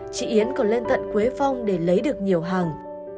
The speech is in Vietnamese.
chị yến còn lên tận quế phong để lấy được nhiều hàng